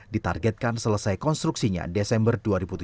ditargetkan selesai konstruksinya desember dua ribu tujuh belas